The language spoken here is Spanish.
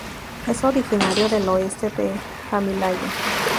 Es originario del oeste del Himalaya.